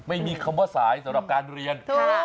ไม่มีคำว่าสายสำหรับการเรียน